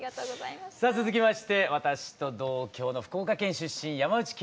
さあ続きまして私と同郷の福岡県出身山内惠介さんです。